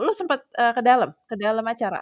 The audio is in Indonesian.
lu sempet ke dalam acara